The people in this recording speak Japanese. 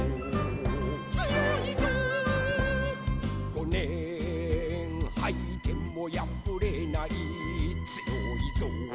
「ごねんはいてもやぶれないつよいぞ」